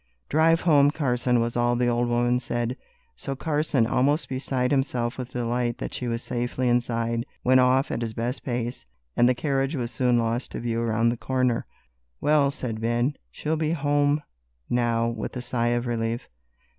"Drive home, Carson," was all the old woman said. So Carson, almost beside himself with delight that she was safely inside, went off at his best pace, and the carriage was soon lost to view around the corner. "Well," said Ben, "she'll soon be home now," with a sigh of relief.